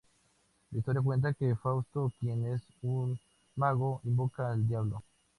La historia cuenta que Fausto, quien es un mago, invoca al Diablo.